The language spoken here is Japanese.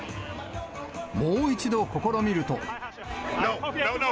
もう一度試みると。